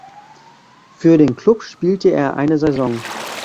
Für den Club spielte er eine Saison.